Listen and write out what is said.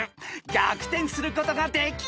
［逆転することができるか？］